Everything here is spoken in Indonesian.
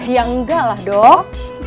ya enggak lah dok